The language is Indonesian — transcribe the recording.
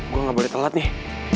gue gak boleh telat nih